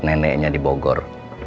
neneknya di bogor